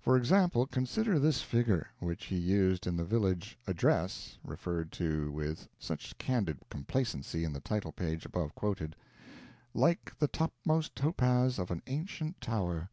For example, consider this figure, which he used in the village "Address" referred to with such candid complacency in the title page above quoted "like the topmost topaz of an ancient tower."